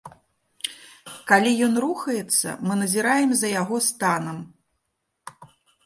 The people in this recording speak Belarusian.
Калі ён рухаецца, мы назіраем за яго станам.